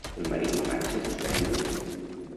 El marit marxa a buscar ajuda.